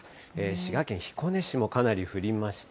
滋賀県彦根市もかなり降りました。